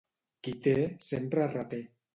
Qui té, sempre reté.